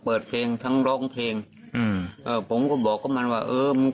เปิดเพลงทั้งร้องเพลงอืมเอ่อผมก็บอกกับมันว่าเออมัน